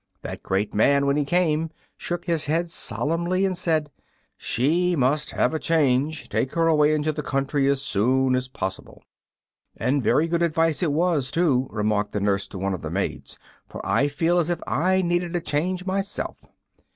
That great man, when he came, shook his head solemnly and said, "She must have a change. Take her away into the country as soon as possible." "And very good advice it was, too," remarked the Nurse to one of the maids; "for I feel as if I needed a change myself."